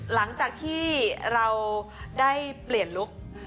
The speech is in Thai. หลังจากที่เราได้เปลี่ยนลุค